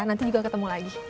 nanti juga ketemu lagi